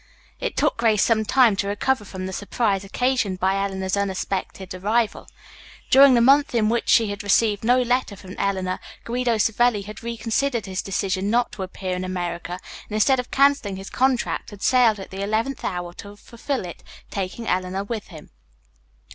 It took Grace some time to recover from the surprise occasioned by Eleanor's unexpected arrival. During the month in which she had received no letter from Eleanor, Guido Savelli had reconsidered his decision not to appear in America and instead of canceling his contract had sailed at the eleventh hour to fulfill it, taking Eleanor with him.